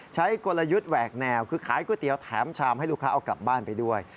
กลยุทธ์แหวกแนวคือขายก๋วยเตี๋ยวแถมชามให้ลูกค้าเอากลับบ้านไปด้วย